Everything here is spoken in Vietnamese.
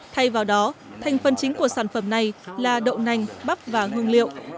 thay vào đó thành phần chính của sản phẩm này là đậu nành bắp và hương liệu